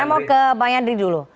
saya mau ke bang yandri dulu